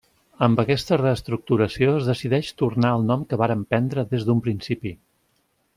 Amb aquesta reestructuració es decideix tornar al nom que varen prendre des d'un principi.